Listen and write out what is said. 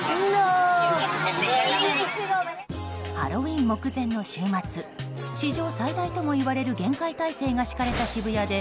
ハロウィーン目前の週末史上最大ともいわれる厳戒態勢が敷かれた渋谷で